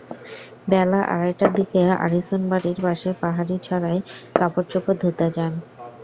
বেলা আড়াইটার দিকে আরিছুন বাড়ির পাশের পাহাড়ি ছড়ায় কাপড়চোপড় ধুতে যান।